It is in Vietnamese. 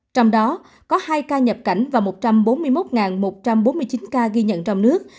trong đó có hai ca nhập cảnh và một trăm bốn mươi một một trăm bốn mươi chín ca ghi nhận trong nước